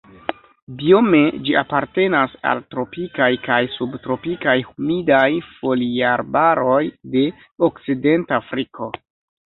Biome ĝi apartenas al tropikaj kaj subtropikaj humidaj foliarbaroj de Okcidentafriko.